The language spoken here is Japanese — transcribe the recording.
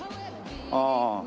ああ。